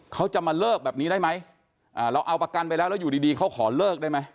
เขาจะมาเลิกแบบนี้ได้ไหมเราเอาประกันไปแล้วแล้วอยู่ดีดีเขาขอเลิกได้ไหม